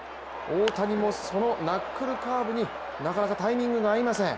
大谷もそのナックルカーブになかなかタイミングが合いません。